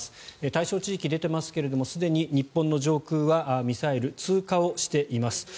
対象地域が出ていますがすでに日本の上空はミサイル、通過しています。